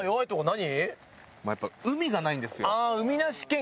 何？